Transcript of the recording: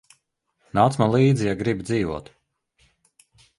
Nāc man līdzi, ja gribi dzīvot.